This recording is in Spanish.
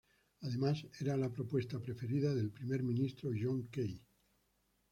Además, era la propuesta preferida del primer ministro John Key.